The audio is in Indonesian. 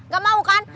gak mau kan